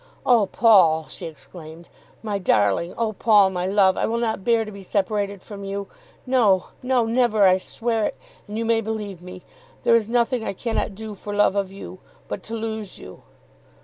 "Oh Paul," she exclaimed, "my darling! Oh Paul, my love! I will not bear to be separated from you. No, no; never. I swear it, and you may believe me. There is nothing I cannot do for love of you, but to lose you."